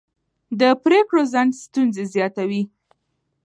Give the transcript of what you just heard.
د پرېکړو ځنډ ستونزې زیاتوي